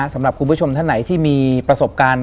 สำหรับคุณผู้ชมท่านไหนที่มีประสบการณ์